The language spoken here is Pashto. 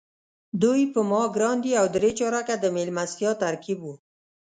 دوی پر ما ګران دي او درې چارکه د میلمستیا ترکیب وو.